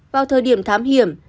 vào thời điểm thám hiểm